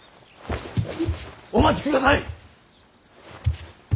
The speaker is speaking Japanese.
お待ちください！